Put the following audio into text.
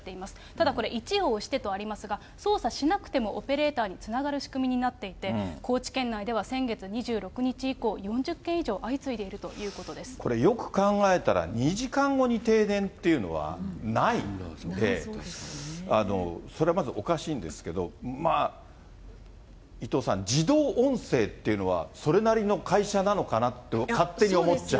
ただこれ、１を押してとありますが、操作しなくてもオペレーターにつながる仕組みになっていて、高知県内では先月２６日以降、４０件以上、これ、よく考えたら２時間後に停電というのはないんで、それまずおかしいんですけど、まあ、伊藤さん、自動音声というのは、それなりの会社なのかなって勝手に思っちゃう。